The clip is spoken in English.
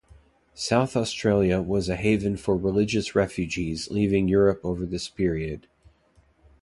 South Australia was a haven for religious refugees leaving Europe over this period.